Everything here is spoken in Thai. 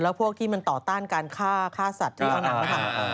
แล้วพวกที่มันต่อต้านการฆ่าสัตว์หรือเอาหนังถ่าย